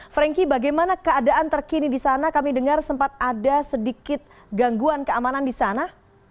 franky bagaimana keadaan terkini di sana kami dengar sempat ada sedikit gangguan keamanan di sana